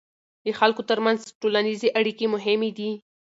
د خلکو ترمنځ ټولنیزې اړیکې مهمې دي.